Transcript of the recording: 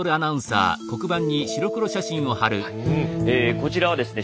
こちらはですね